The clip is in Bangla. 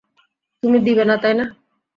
তুমি দিবে না, তাই না?